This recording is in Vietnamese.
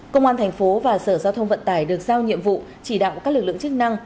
công an thành phố và sở giao thông vận tải được giao nhiệm vụ chỉ đạo các lực lượng chức năng